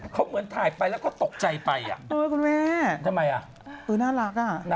เขาเหมือนถ่ายไปแล้วก็ตกใจไปอ่ะ